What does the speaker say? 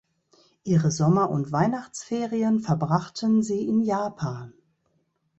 Ihre Sommer- und Weihnachtsferien verbrachten sie in Japan.